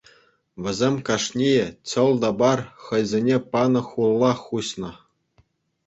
Вӗсем кашнийӗ чӑл та пар хӑйсене панӑ хулла хуҫнӑ.